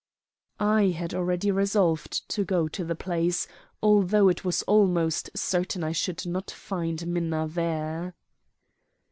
I had already resolved to go to the place, although it was almost certain I should not find Minna there.